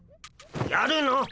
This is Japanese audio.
やるの？